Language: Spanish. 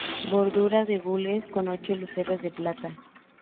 Bordura de gules con ocho luceros de plata.